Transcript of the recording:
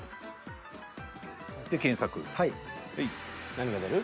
何が出る？